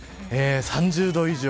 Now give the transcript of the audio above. ３０度以上。